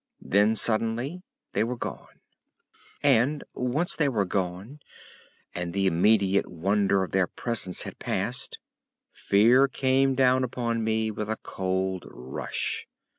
Then suddenly they were gone! And, once they were gone and the immediate wonder of their great presence had passed, fear came down upon me with a cold rush.